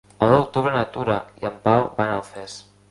El nou d'octubre na Tura i en Pau van a Alfés.